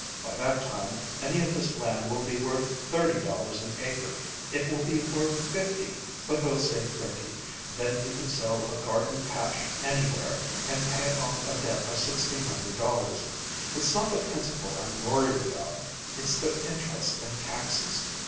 By that time, any of this land will be worth thirty dollars an acre—it will be worth fifty, but we'll say thirty; then you can sell a garden patch anywhere, and pay off a debt of sixteen hundred dollars. It's not the principal I'm worried about, it's the interest and taxes.